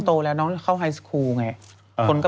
แต่นี้เขาบอกแล้วว่า